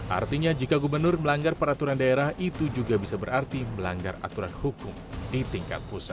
artinya jika gubernur melanggar peraturan daerah itu juga bisa berarti melanggar aturan hukum di tingkat pusat